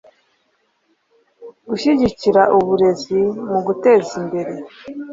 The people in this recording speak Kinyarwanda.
gushyigikira uburezi mu guteza imbere